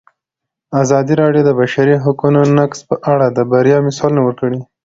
ازادي راډیو د د بشري حقونو نقض په اړه د بریاوو مثالونه ورکړي.